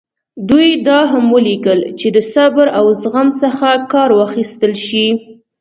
دوی دا هم ولیکل چې د صبر او زغم څخه کار واخیستل شي.